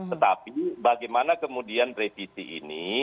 tetapi bagaimana kemudian revisi ini